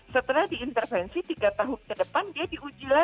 setelah diintervensi tiga tahun ke depan dia diuji lagi